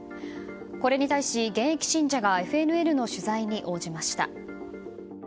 これに対し、現役信者がＦＮＮの取材に応じました。